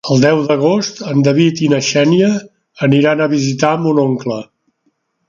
El deu d'agost en David i na Xènia aniran a visitar mon oncle.